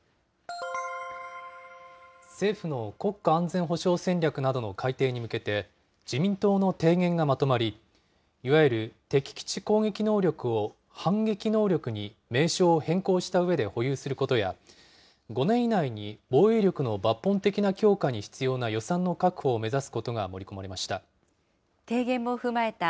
政府の国家安全保障戦略などの改定に向けて、自民党の提言がまとまり、いわゆる敵基地攻撃能力を反撃能力に名称を変更したうえで保有することや、５年以内に防衛力の抜本的な強化に必要な予算の確保を目指すことが盛り込まれました。